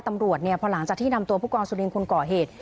ตำรวจผ่านหลังจากที่นำตัวผู้กองสุรินที่คุณก่อเหตุ